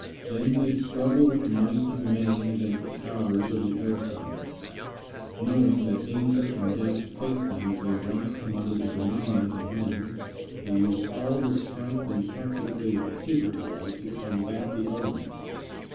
Then they struggle with might and main against the powers of the air currents. Knowing that danger and death face them if they once come under the dominion of the wind, they use all the strength and tactics they are capable of to combat the elements.